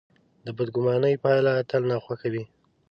د بدګمانۍ پایله تل ناخوښه وي.